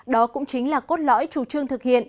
đó cũng chính là cốt lõi chủ phương tiện